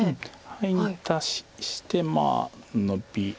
ハイに対してまあノビ。